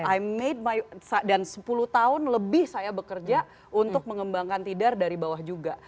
imade my dan sepuluh tahun lebih saya bekerja untuk mengembangkan tidar dari bawah juga